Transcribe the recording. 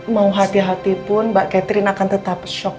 mau hati hati pun mbak catherine akan tetap shock